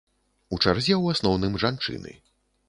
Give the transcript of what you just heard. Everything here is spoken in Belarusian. У чарзе ў асноўным жанчыны.